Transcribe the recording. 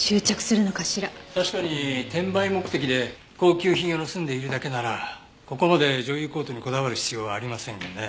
確かに転売目的で高級品を盗んでいるだけならここまで女優コートにこだわる必要はありませんよね。